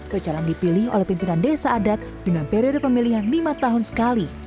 pecalang dipilih oleh pimpinan desa adat dengan periode pemilihan lima tahun sekali